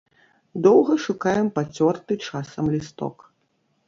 Доўга шукаем пацёрты часам лісток.